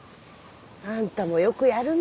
あんたもよくやるね。